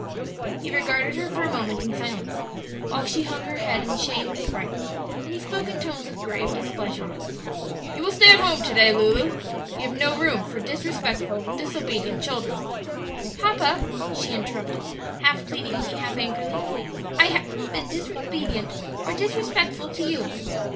He regarded her for a moment in silence, while she hung her head in shame and affright; then he spoke in tones of grave displeasure, "You will stay at home to day, Lulu; we have no room for disrespectful, disobedient children " "Papa," she interrupted, half pleadingly, half angrily, "I haven't been disobedient or disrespectful to you."